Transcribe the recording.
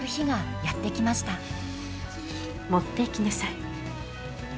持っていきなさい。